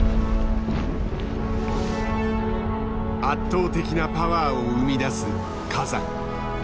圧倒的なパワーを生み出す火山。